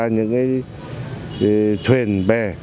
những cái thuyền bè